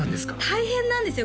大変なんですよ